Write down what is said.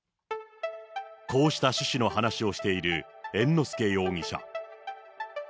こうした趣旨の話をしている猿之助容疑者。